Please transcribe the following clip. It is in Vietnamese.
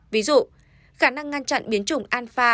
ví dụ khả năng ngăn chặn biến chủng alpha